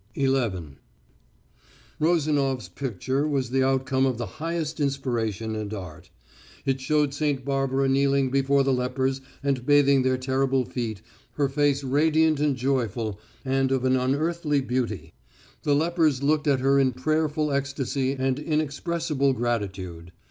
XI Rozanof's picture was the outcome of the highest inspiration and art. It showed St. Barbara kneeling before the lepers and bathing their terrible feet, her face radiant and joyful, and of an unearthly beauty. The lepers looked at her in prayerful ecstasy and inexpressible gratitude.